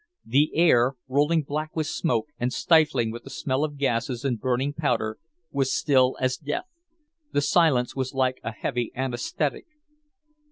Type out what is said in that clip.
The air, rolling black with smoke and stifling with the smell of gases and burning powder, was still as death. The silence was like a heavy anaesthetic.